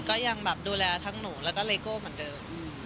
ก็ยังแบบดูแลทั้งหนูแล้วก็เลโก้เหมือนเดิม